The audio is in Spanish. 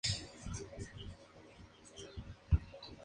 Catch y otros.